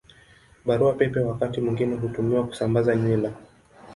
Barua Pepe wakati mwingine hutumiwa kusambaza nywila.